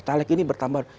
caleg ini bertambah